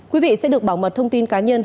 quý vị sẽ được bảo mật thông tin cá nhân